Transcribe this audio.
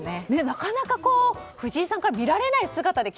なかなか藤井さんから見られない姿で